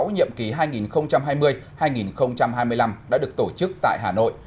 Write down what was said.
nhiệm ký hai nghìn hai mươi hai nghìn hai mươi năm đã được tổ chức tại hà nội